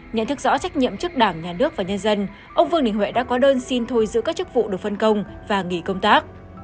nhận thức rõ trách nhiệm trước đảng nhà nước và nhân dân ông vương đình huệ đã có đơn xin thôi giữ các chức vụ được phân công và nghỉ công tác